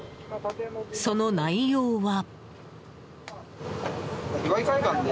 その内容は。